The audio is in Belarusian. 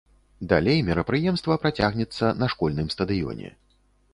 Далей мерапрыемства працягнецца на школьным стадыёне.